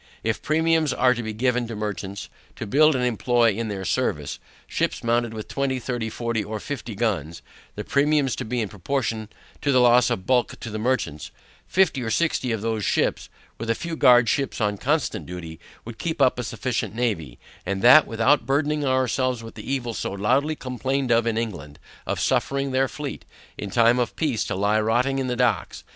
If premiums were to be given to merchants, to build and employ in their service, ships mounted with twenty, thirty, forty, or fifty guns, (the premiums to be in proportion to the loss of bulk to the merchants) fifty or sixty of those ships, with a few guard ships on constant duty, would keep up a sufficient navy, and that without burdening ourselves with the evil so loudly complained of in England, of suffering their fleet, in time of peace to lie rotting in the docks.